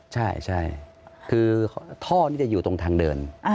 ใช่คือท่อนี่จะอยู่ตรงทางเดิน